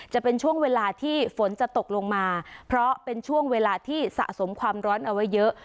จะเป็นช่วงเวลาที่ฝนจะตกลงมาเพราะเป็นช่วงเวลาที่สะสมความร้อนเอาไว้เยอะ